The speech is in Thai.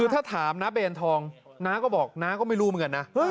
ถ้าถามนะเบรนทองนะก็บอกนะก็ไม่รู้เมื่อนั้นนะ